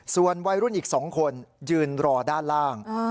ส่วนวัยรุ่นอีก๒คนยืนรอด้านล่าง